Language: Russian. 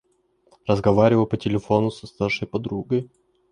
Разговариваю по телефону со старшей подругой.